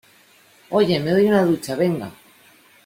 oye, me doy una ducha. venga .